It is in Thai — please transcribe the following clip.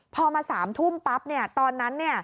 พอมา๓ทุ่มปั๊บตอนนั้น